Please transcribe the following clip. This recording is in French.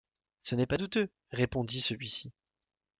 Ce n’est pas douteux, répondit celui-ci.